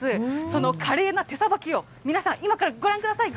その華麗な手さばきを皆さん、今からご覧ください。